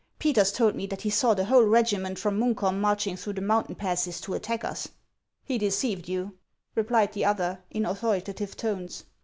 u Peters told me that he saw the whole regiment from Munkholm marching through the mountain passes to attack us." " He deceived you," replied the other, in authoritative tones.